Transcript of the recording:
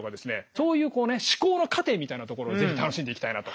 そういうこうね思考の過程みたいなところを是非楽しんでいきたいなと。